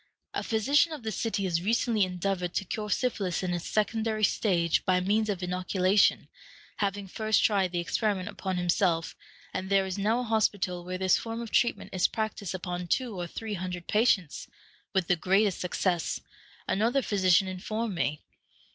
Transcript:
A physician of the city has recently endeavored to cure syphilis in its secondary stage by means of inoculation, having first tried the experiment upon himself, and there is now a hospital where this form of treatment is practiced upon two or three hundred patients, with the greatest success, another physician informed me.